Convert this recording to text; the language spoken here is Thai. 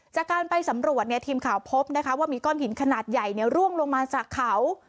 จากการไปสำรวจทีมข่าวพบนะคะว่ามีก้อนหินขนาดใหญ่ร่วงลงมาจากเขา